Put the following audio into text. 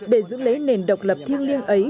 để giữ lấy nền độc lập thiêng liêng ấy